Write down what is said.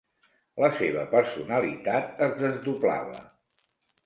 La seva personalitat es desdoblava.